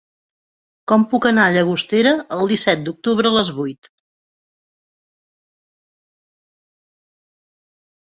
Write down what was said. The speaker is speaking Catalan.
Com puc anar a Llagostera el disset d'octubre a les vuit?